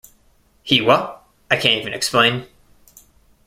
He wa- I can't even explain.